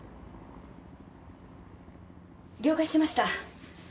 了解しました。